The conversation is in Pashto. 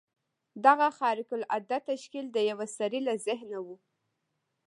دغه خارق العاده تشکیل د یوه سړي له ذهنه و